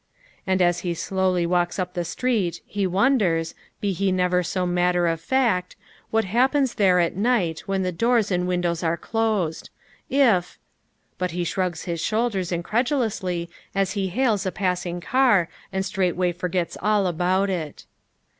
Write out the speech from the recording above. And as he slowly walks up the street he wonders, be he never so matter of fact, what happens there at night when the doors and windows are closed; if But he shrugs his shoulders incredulously as he hails a passing car and straightway forgets all about it.